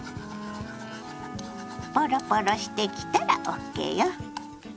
ポロポロしてきたらＯＫよ。